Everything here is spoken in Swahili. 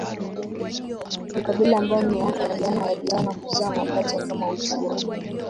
makabila ambayo miaka ya nyuma yaliona kuzaa mapacha kama uchuro